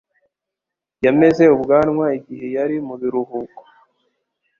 Yameze ubwanwa igihe yari mu biruhuko.